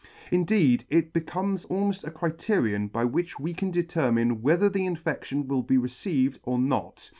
Indeed it becomes almofl a criterion by which we can determine whether the infe&ion will be received or not.